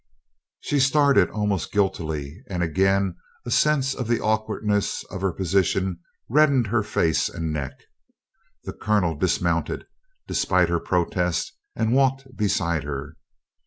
She started almost guiltily, and again a sense of the awkwardness of her position reddened her face and neck. The Colonel dismounted, despite her protest, and walked beside her.